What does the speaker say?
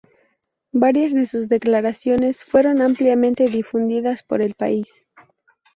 Varias de sus declaraciones fueron ampliamente difundidas por el país.